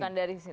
bukan dari situ